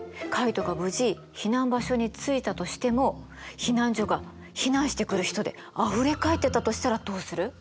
カイトが無事避難場所に着いたとしても避難所が避難してくる人であふれかえってたとしたらどうする？